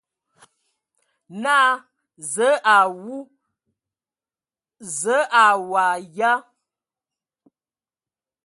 Naa: Zǝə a wu! Zǝə a waag ya ?